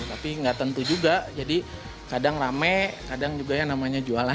tapi nggak tentu juga jadi kadang rame kadang juga yang namanya jualan